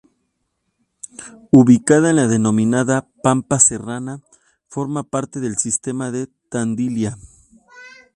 Ubicada en la denominada Pampa Serrana, forma parte del Sistema de Tandilia.